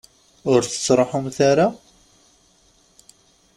Ur tettruḥumt ara?